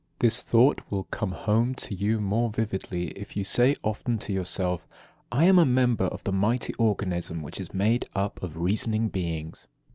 This thought will come home to you the more vividly if you say often to yourself: "I am a member of the mighty organism which is made up of reasoning beings."